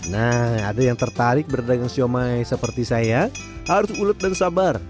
nah ada yang tertarik berdagang siomay seperti saya harus ulet dan sabar